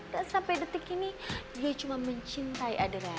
dan sampai detik ini dia cuma mencintai adriana